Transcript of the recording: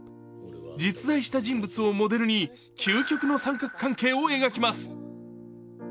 実在した人物をモデルに究極の三角関係を描きます。